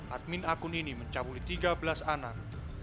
admin akun ini mencabuli tiga belas anak